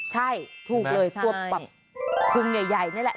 ใช่ถูกเลยพวกแบบพึงใหญ่นี่แหละ